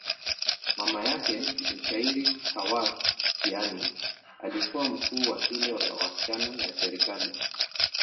Mama yake, mshairi Khawar Kiani, alikuwa mkuu wa shule ya wasichana ya serikali.